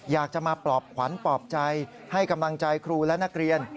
อยากจะมาปลอบขวัญปลอบใจให้กำลังใจครูและนักเรียน